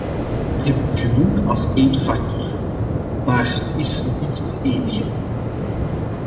Ik heb dit genoemd als één factor, maar het is niet de enige.